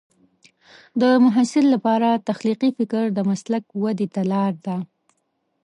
د محصل لپاره تخلیقي فکر د مسلک ودې ته لار ده.